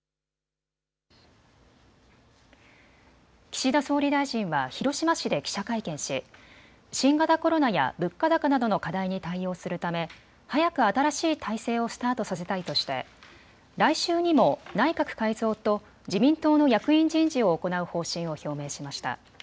岸田総理大臣は広島市で記者会見し新型コロナや物価高などの課題に対応するため早く新しい体制をスタートさせたいとして来週にも内閣改造と自民党の役員人事を行う方針を表明しました。